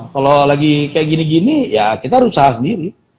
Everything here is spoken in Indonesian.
kalau lagi kayak gini gini ya kita harus usaha sendiri